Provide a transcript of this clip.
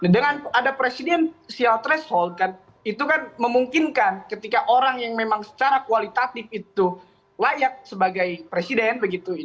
dengan ada presidensial threshold kan itu kan memungkinkan ketika orang yang memang secara kualitatif itu layak sebagai presiden begitu